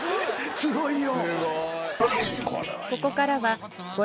すごいよ。